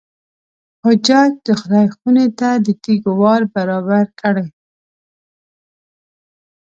حجاج د خدای خونې ته د تېږو وار برابر کړی.